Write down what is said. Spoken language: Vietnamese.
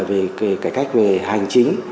về cải cách về hành chính